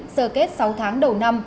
sơ kết sáu tháng đầu năm